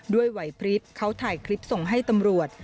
ไหวพลิบเขาถ่ายคลิปส่งให้ตำรวจ